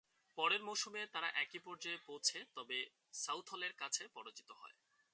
পরের মৌসুমেও তারা একই পর্যায়ে পৌঁছে। তবে, সাউথলের কাছে পরাজিত হয়।